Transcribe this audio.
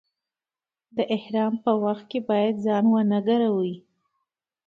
د احرام په وخت کې باید ځان و نه ګروئ.